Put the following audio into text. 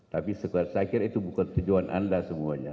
tapi saya kira itu bukan tujuan anda semuanya